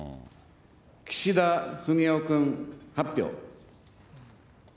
岸田文雄君、８票。